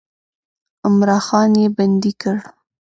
عمرا خان یې بندي کړ.